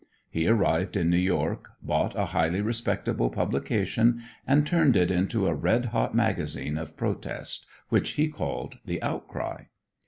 He arrived in New York, bought a highly respectable publication, and turned it into a red hot magazine of protest, which he called "The Outcry."